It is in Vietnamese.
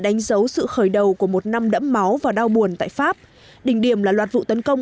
đánh dấu sự khởi đầu của một năm đẫm máu và đau buồn tại pháp đỉnh điểm là loạt vụ tấn công